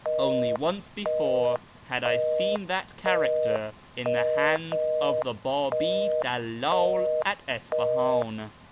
Only once before had I seen that character in the hands of the Babi dalUd at Isfahan.